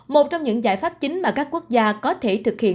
một trong những giải pháp chính mà các quốc gia có thể thực hiện